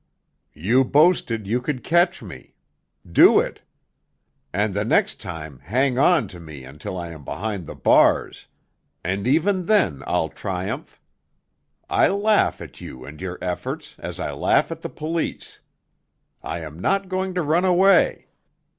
You boasted you could catch me—do it! And the next time hang on to me until I am behind the bars—and even then I'll triumph. I laugh at you and your efforts, as I laugh at the police. I am not going to run away!